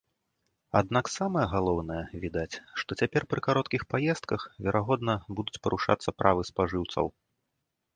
Аднак самае галоўнае, відаць, што цяпер пры кароткіх паездках, верагодна, будуць парушацца правы спажыўцоў.